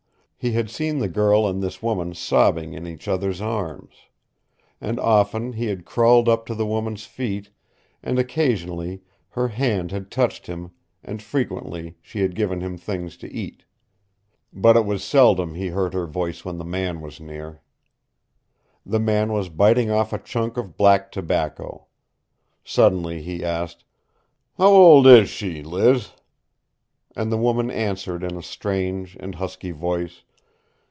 He had seen the girl and this woman sobbing in each other's arms. And often he had crawled to the woman's feet, and occasionally her hand had touched him, and frequently she had given him things to eat. But it was seldom he heard her voice when the man was near. The man was biting off a chunk of black tobacco. Suddenly he asked, "How old is she, Liz?" And the woman answered in a strange and husky voice.